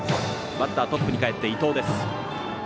バッター、トップにかえって伊藤です。